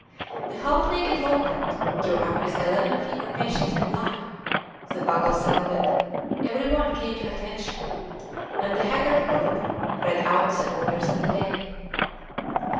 The half naked lieutenant drew up his eleven fever patients in line; the bugle sounded; every one came to attention; and the haggard colonel read out the orders of the day.